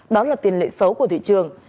đó là tiền lệ xấu của thị trường